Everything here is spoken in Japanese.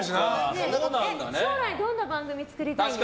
将来、どんな番組を作りたいんですか？